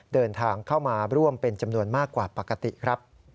เดินทางเข้ามาร่วมเป็นจำนวนมากกว่าปกติครับ